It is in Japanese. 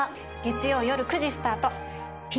月曜夜９時スタート。